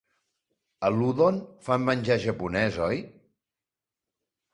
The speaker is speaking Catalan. A l'Udon fan menjar japonès, oi?